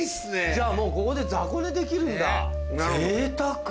じゃあもうここで雑魚寝できるんだぜいたく。